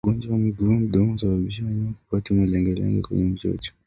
Ugonjwa wa miguu na midomo husababisa wanyama kupata malengelenge kwenye chuchu